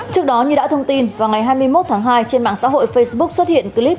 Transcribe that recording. trước đó như đã thông tin vào ngày hai mươi một tháng hai trên mạng xã hội facebook xuất hiện clip